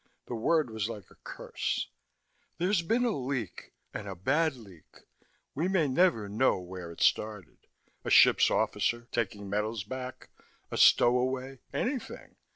The word was like a curse. "There's been a leak, and a bad leak. We may never know where it started. A ship's officer, taking metals back, a stowaway, anything.